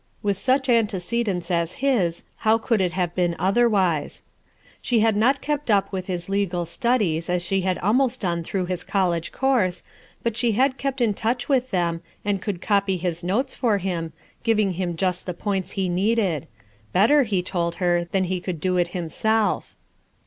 With such antecedents as his how could it have been otherwise ? She had not kept up with his legal studies as she had almost done through his college course, but she had kept in touch with them, and could copy his cotes for him, giving him just the points he needed — better, he told her, than he could do it himself.